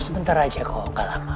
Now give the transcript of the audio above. sebentar saja kok kalah ma